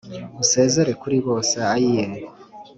Usezere kuri bose ayiyeee